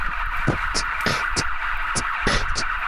Inmediatamente dimitió.